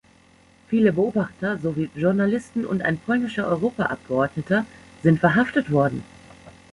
Viele Beobachter sowie Journalisten und ein polnischer Europaabgeordneter sind verhaftet worden.